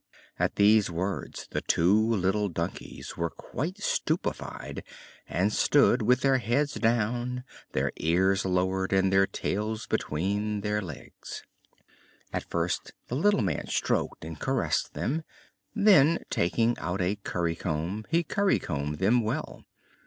At these words the two little donkeys were quite stupefied and stood with their heads down, their ears lowered, and their tails between their legs. At first the little man stroked and caressed them; then, taking out a currycomb, he currycombed them well.